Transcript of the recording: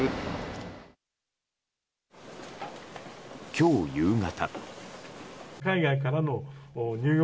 今日夕方。